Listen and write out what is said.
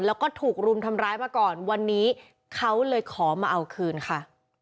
แล้วก็ถูกรุมทำร้ายมาก่อนวันนี้เขาเลยขอมาเอาคืนค่ะ